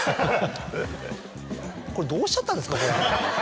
これどうしちゃったんですかこれ。